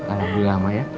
alat alat lama ya